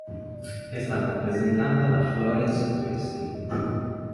È stata presentata da Florence Foresti.